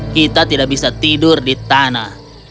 kita tidak bisa tidur di tanah